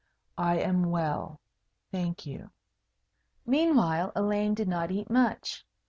I am well, thank you." Meanwhile, Elaine did not eat much.